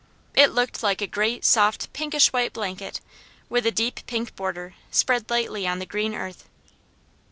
It looked like a great, soft, pinkish white blanket, with a deep pink border, spread lightly on the green earth.